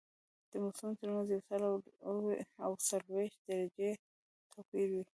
د موسمونو ترمنځ یو سل او څلوېښت درجې توپیر وي